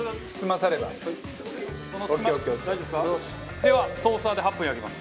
ではトースターで８分焼きます。